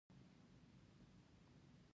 ټول هغه کسان چې بريالي شوي دي.